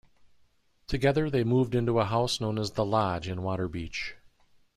Together they moved into a house known as The Lodge in Waterbeach.